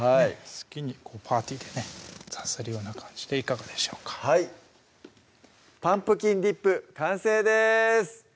好きにパーティーでね出せるような感じでいかがでしょうか「パンプキンディップ」完成です